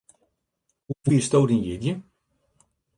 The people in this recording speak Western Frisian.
Hoe fiersto dyn jierdei?